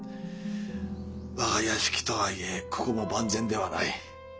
我が屋敷とはいえここも万全ではない。